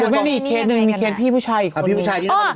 ไม่มีเคล็ดหนึ่งมีเคล็ดพี่ผู้ชายอีกคนนึง